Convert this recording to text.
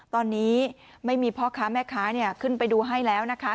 ตอนนี้ไม่มีพ่อค้าแม่ค้าขึ้นไปดูให้แล้วนะคะ